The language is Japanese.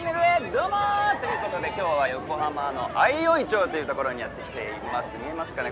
どうも！ということで今日は横浜の相生町という所にやって来ています見えますかね？